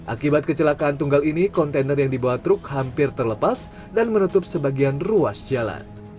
akibat kecelakaan tunggal ini kontainer yang dibawa truk hampir terlepas dan menutup sebagian ruas jalan